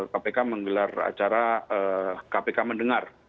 kpk menggelar acara kpk mendengar